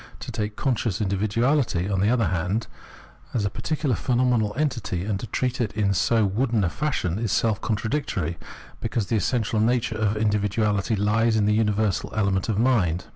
To take conscious individuahty, on the other hand, as a particular phenomenal entity, and treat it in so wooden a fashion, is self contradictory, because the essential nature of individuality Ues in the universal element of mind.